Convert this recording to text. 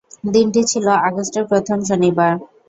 দিনটি ছিল আগস্টের প্রথম শনিবার।